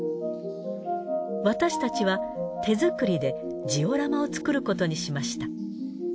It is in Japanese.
私たちは手作りでジオラマを作ることにしました。